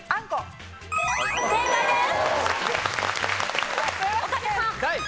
正解です！